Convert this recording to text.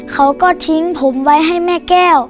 เขาก็ทิ้งผมไว้ให้แม่แก้ว